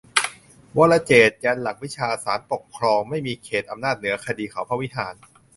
'วรเจตน์' ยันหลักวิชา ศาลปกครองไม่มีเขตอำนาจเหนือคดีเขาพระวิหาร